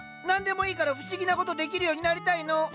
何でもいいから不思議な事できるようになりたいの！